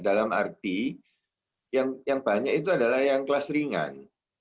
dalam arti yang banyak itu adalah yang kelas ringan